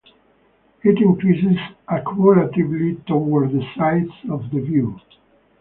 It increases accumulatively towards the sides of the view.